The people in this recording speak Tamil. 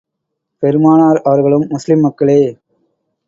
பெருமானார் அவர்களும், முஸ்லிம் மக்களே!